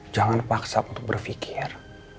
jangan paksa untuk berpikir